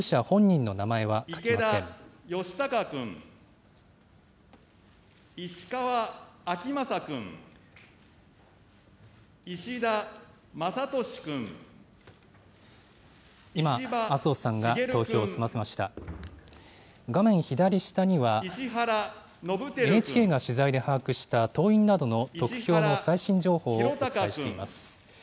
画面左下には、ＮＨＫが取材で把握した、党員などの得票の最新情報をお伝えしています。